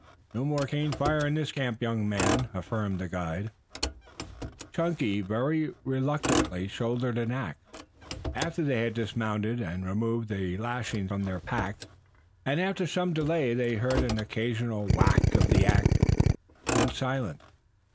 "No more cane fire in this camp, young man," affirmed the guide. Chunky very reluctantly shouldered an axe, after they had dismounted and removed the lashings from their packs, and after some delay they heard an occasional whack of the axe, then silence.